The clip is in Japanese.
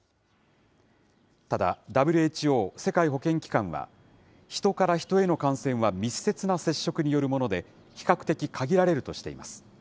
ただ、ＷＨＯ・世界保健機関は、ヒトからヒトへの感染は密接な接触によるもので、比較的限られるとしています。